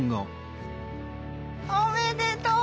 おめでとう！